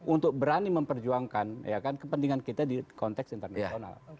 untuk berani memperjuangkan kepentingan kita di konteks internasional